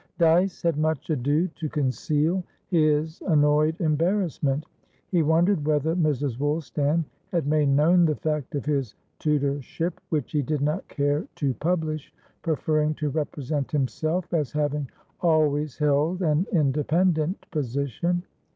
Dyce had much ado to conceal his annoyed embarrassment. He wondered whether Mrs. Woolstan had made known the fact of his tutorship, which he did not care to publish, preferring to represent himself as having always held an independent position.